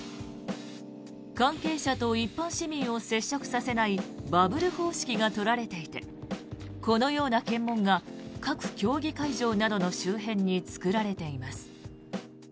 関係者と一般市民を接触させないバブル方式が取られていてこのような検問が各競技会場などの周辺に作られています。